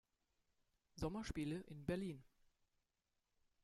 Sommerspiele in Berlin.